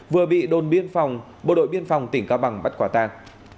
vừa bị đồn biên phòng bộ đội biên phòng tỉnh cao bằng bắt quả tang